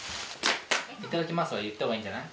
「いただきます」は言った方がいいんじゃない？